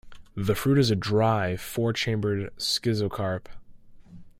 The fruit is a dry, four-chambered schizocarp.